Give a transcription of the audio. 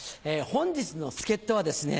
本日の助っ人はですね